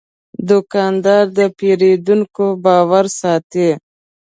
دوکاندار د پیرودونکو باور ساتي.